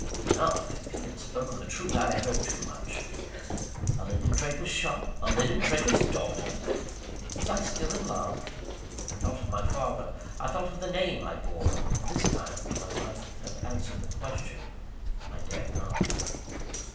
Enough? If he had spoken the truth, I had heard too much. A linen draper's shop a linen draper's daughter! Was I still in love? I thought of my father; I thought of the name I bore; and this time, though I might have answered the question, I dared not.